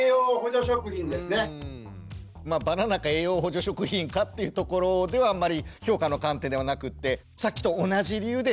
バナナか栄養補助食品かっていうところではあんまり評価の観点ではなくってさっきと同じ理由で２点ということで。